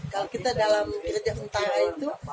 kalau kita dalam gereja sentara itu